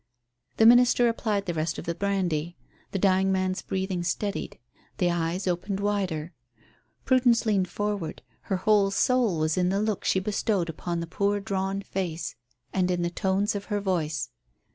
The minister applied the rest of the brandy. The dying man's breathing steadied. The eyes opened wider. Prudence leaned forward. Her whole soul was in the look she bestowed upon the poor drawn face, and in the tones of her voice.